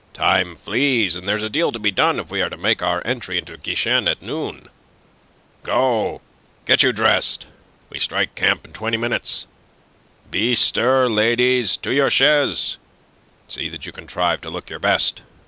Time flees, and there's a deal to be done if we are to make our entry into Guichen at noon. Go, get you dressed. We strike camp in twenty minutes. Bestir, ladies! To your chaise, and see that you contrive to look your best.